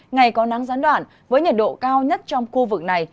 ngày có nắng gián đoạn với nhiệt độ cao nhất trong khu vực này